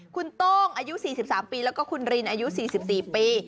คุณโต้งอายุ๔๓ปีแล้วก็คุณรินอายุ๔๔ปี